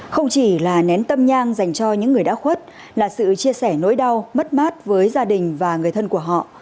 không chỉ là nén tâm nhang dành cho những người đã khuất là sự chia sẻ nỗi đau mất mát với gia đình và người thân của họ